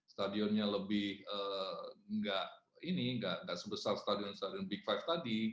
stadionnya lebih nggak sebesar stadion stadion big five tadi